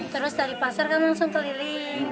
terus dari pasar kan langsung keliling